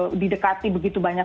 bahwa dengan didekati begitu banyak